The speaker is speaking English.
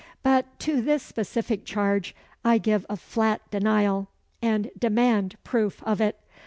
But to this specific charge, I give a flat denial; and demand proof of it.